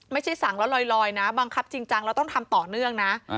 ไม่ใช่สั่งแล้วลอยนะบังคับจริงจังแล้วต้องทำต่อเนื่องนะ